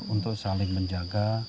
untuk saling menjaga